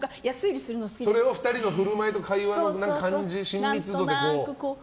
それは２人の振る舞いと会話の感じ親密度で、こう。